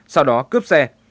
sau đó cướp xe